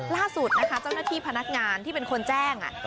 ล่าสุดนะคะเจ้าหน้าที่พนักงานที่เป็นคนแจ้ง